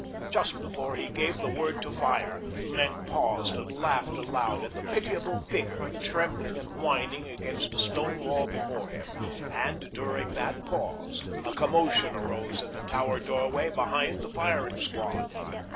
Just before he gave the word to fire Maenck paused and laughed aloud at the pitiable figure trembling and whining against the stone wall before him, and during that pause a commotion arose at the tower doorway behind the firing squad.